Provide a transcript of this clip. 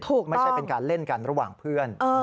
ไม่ใช่เป็นการเล่นกันระหว่างเพื่อน